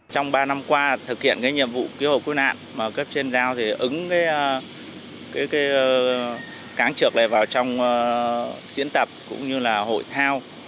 trong ba năm qua thực hiện nhiệm vụ cứu hộ cứu nạn cấp trên dao ứng cáng trượt vào trong diễn tập hội thao